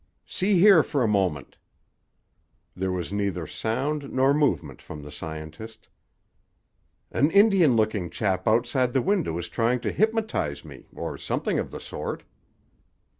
"See here for a moment." There was neither sound nor movement from the scientist. "An Indian looking chap outside the window is trying to hypnotize me, or something of the sort."